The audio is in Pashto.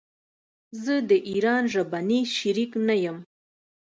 زه د ايران ژبني شريک نه يم.